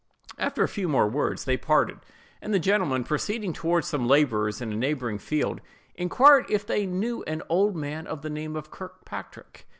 After a few more words, they parted; and the gentleman, proceeding toward some laborers in a neighboring field, inquired if they knew an old man of the name of Kirkpatrick.